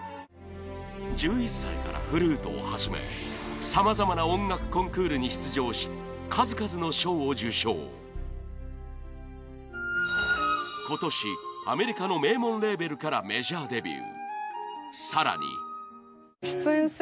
１１歳からフルートを始めさまざまな音楽コンクールに出場し、数々の賞を受賞今年、アメリカの名門レーベルからメジャーデビュー